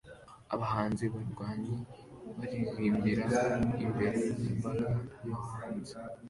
Abahanzi barwanyi baririmbira imbere yimbaga yo hanze